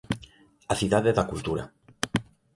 A Cidade da Cultura.